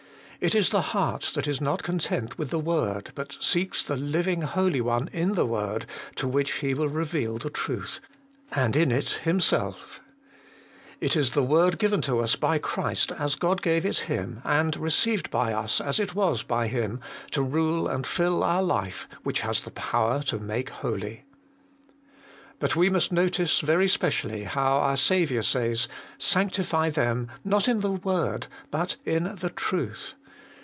It is the heart that is not content with the word, but seeks the Living, Holy One in the word, to which He will reveal the truth, and in it Himself, 144 HOLY IN CHRIST. It is the word given to us by Christ as God gave it Him, and received by us as it was by Him, to rule and fill our life, which has power to make holy. But we must notice very specially how our Saviour says, Sanctify them, not in the word, but in the truth.